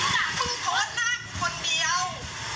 มึงโพสต์หน้ากูคนเดียว